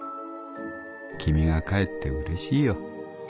きみが帰ってうれしいよ』